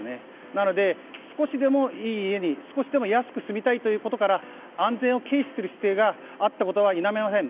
なので、少しでもいい家に少しでも安く済みたいということから安全を軽視することがあったことは否めません。